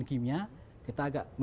temen kita ini